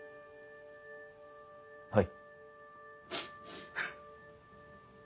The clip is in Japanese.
はい。